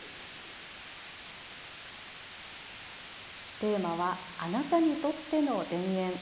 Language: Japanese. テーマは「あなたにとっての田園」。